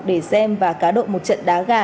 để xem và cá độ một trận đá gà